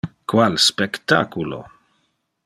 Qual spectaculo!